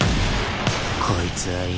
こいつは今。